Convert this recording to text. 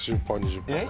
えっ？